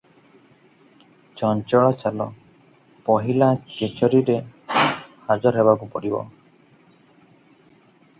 "ଚଞ୍ଚଳ ଚାଲ, ପହିଲା କଚେରିରେ ହାଜର ହେବାକୁ ପଡିବ ।"